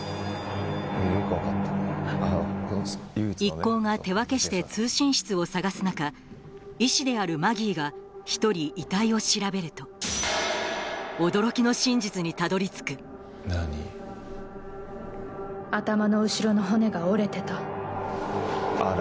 一行が手分けして通信室を探す中医師であるマギーが１人遺体を調べると頭の後ろの骨が折れてた。